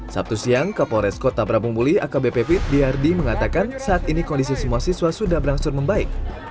sabtu siang kapolres kota prabu muli akbp pitdiardi mengatakan saat ini kondisi semua siswa sudah berangsur membaik